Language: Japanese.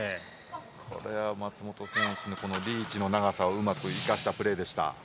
これは松本選手のリーチの長さをうまく生かしたプレーでした。